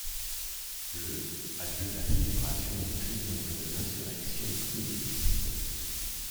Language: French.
Le a lieu la célébration du triomphe de l’insurrection communiste.